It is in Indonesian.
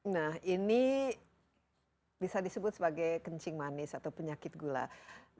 nah ini bisa disebut sebagai kencing manis atau penyakit gula